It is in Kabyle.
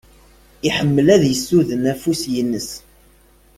Iḥemmel ad isuden afus-ines.